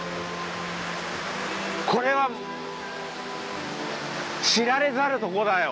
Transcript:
これは知られざるとこだよ。